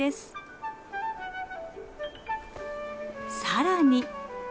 更に。